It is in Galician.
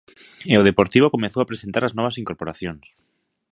E o Deportivo comezou a presentar as novas incorporacións.